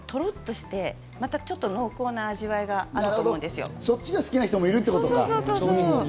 なので、とろっとして、またちょっと濃厚な味わいがあるそっちが好きな人もいるということか。